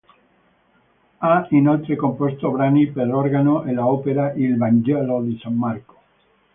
Ha inoltre composto brani per organo e l'opera "Il vangelo di san Marco".